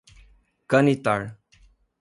Canitar